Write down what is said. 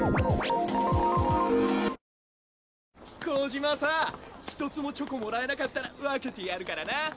小島さ１つもチョコもらえなかったら分けてやるからな。